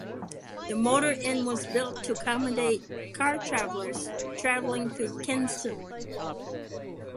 The motor inn was built to accommodate car travelers traveling through Kinston.